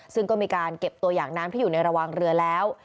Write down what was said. ซึ่งก็มีการเก็บตัวอย่างน้ำที่อยู่ในระหว่างเรือแล้ว